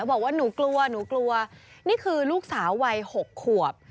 หนูกลัวนี่คือลูกสาววัย๖ขวบ